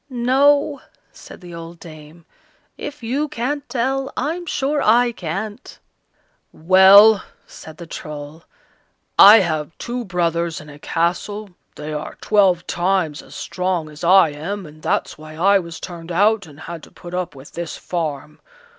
"No," said the old dame, "if you can't tell, I'm sure I can't." "Well!" said the Troll, "I have two brothers in a castle; they are twelve times as strong as I am, and that's why I was turned out and had to put up with this farm.